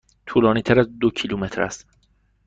طولانی تر از دو کیلومتر است.